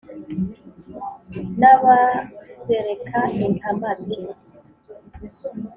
N' abazereka Intamati,